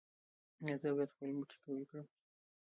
ایا زه باید خپل مټې قوي کړم؟